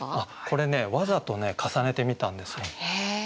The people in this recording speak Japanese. これねわざとね重ねてみたんですね。